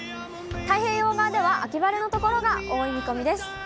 太平洋側では秋晴れの所が多い見込みです。